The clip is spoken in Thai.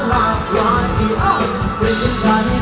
เอาไปใส่เว็ดกลุ่ม